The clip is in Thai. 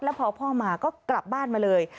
แล้วพอพ่อมาก็กลับบ้านมาเลย